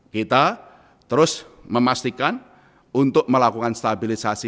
kita terus memastikan untuk melakukan stabilisasi